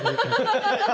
ハハハ！